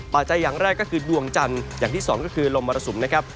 อย่างแรกก็คือดวงจันทร์อย่างที่สองก็คือลมมรสุมนะครับ